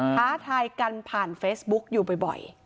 ท้าทายกันผ่านเฟซบุ๊กอยู่บ่อย